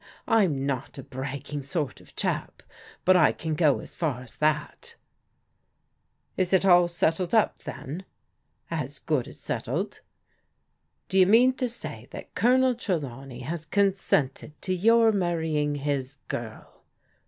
I'm not a bragging sort of chap, but I can go as far as thai." 93 94 PRODIGAL DAUGHTERS " Is It all settled up, then ?"" As good as settled." " Do you mean to say that Colonel Trelawney has con sented to your marrying his girl